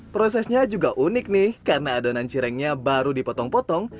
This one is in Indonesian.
prosesnya juga unik nih karena adonan cirengnya baru dipotong potong